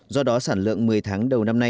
do đó sản lượng một mươi tháng đầu năm nay